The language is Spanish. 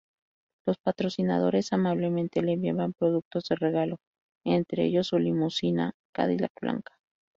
Los patrocinadores amablemente le enviaban productos de regalo, entre ellos su limusina Cadillac blanca.